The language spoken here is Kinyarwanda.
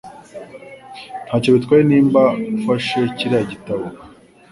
Ntacyo bitwaye niba ufashe kiriya gitabo.